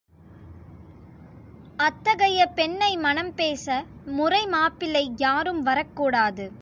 அத்தகைய பெண்ணை மணம் பேச முறை மாப்பிள்ளை யாரும் வரக்கூடாது.